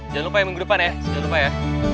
jangan lupa yang minggu depan ya jangan lupa ya